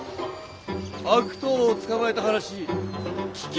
悪党を捕まえた話聞きてえか？